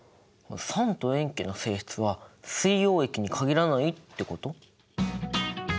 酸と塩基の性質は水溶液に限らないってこと？